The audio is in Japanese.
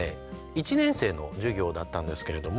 １年生の授業だったんですけれども。